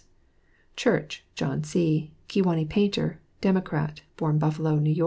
CHURCH JOHN C, Kewanee; painter; Dem; born Buffalo, N.Y.